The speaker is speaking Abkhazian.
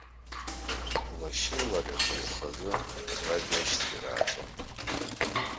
Лашьеи лареи хаз-хазы раб иашьцәа ирааӡон.